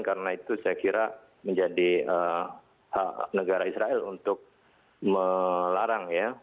karena itu saya kira menjadi hak negara israel untuk melarang ya